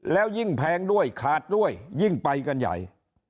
แล้วยิ่งแพงด้วยขาดด้วยยิ่งไปกันใหญ่